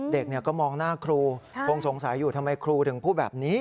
เด็กก็มองหน้าครูคงสงสัยอยู่ทำไมครูถึงพูดแบบนี้